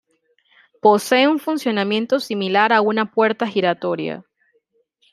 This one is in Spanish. Posee un funcionamiento similar a una puerta giratoria.